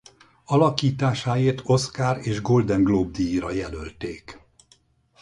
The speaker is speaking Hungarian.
Alakításáért Oscar- és Golden Globe-díjra jelölték.